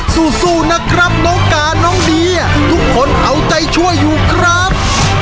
สู้นะครับน้องการน้องเดียทุกคนเอาใจช่วยอยู่ครับ